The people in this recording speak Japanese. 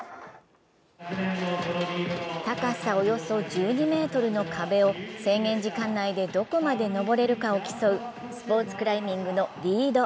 高さおよそ１２ｍの壁を制限時間内でどこまで登れるかを競うスポーツクライミングのリード。